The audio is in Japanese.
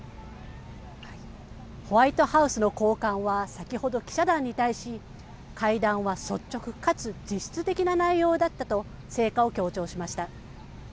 ホワイトハウスの高官は先ほど記者団に対し、会談は率直かつ実質的な内容だったと成果を強調しました。